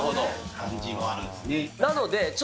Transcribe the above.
漢字もあるんですよね。